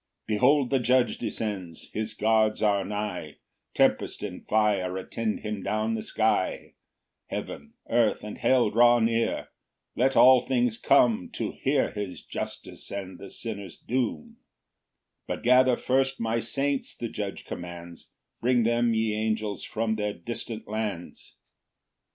2 Behold the Judge descends; his guards are nigh; Tempest and fire attend him down the sky: Heaven, earth and hell draw near; let all things come To hear his justice and the sinners doom: But gather first my saints (the Judge commands) Bring them, ye angels, from their distant lands.